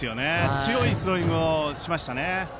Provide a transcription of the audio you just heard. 強いスローイングをしました。